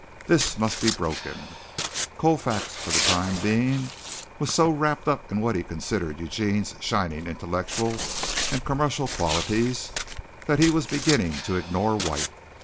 This must be broken. Colfax, for the time being, was so wrapped up in what he considered Eugene's shining intellectual and commercial qualities that he was beginning to ignore White.